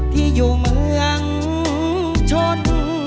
ที่อยู่เมืองชน